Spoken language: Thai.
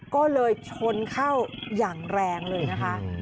ก็เลยชนเข้าอย่างแรงเลยนะคะ